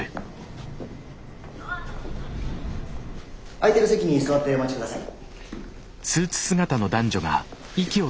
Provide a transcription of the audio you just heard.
空いてる席に座ってお待ち下さい。